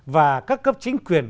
và các cấp chính quyền